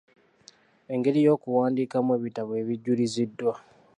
Engeri y’okuwandiikamu ebitabo ebijuliziddwa